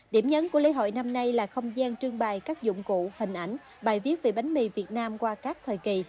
điểm nhấn của lễ hội năm nay là không gian trương bài các dụng cụ hình ảnh bài viết về bánh mì việt nam qua các thời kỳ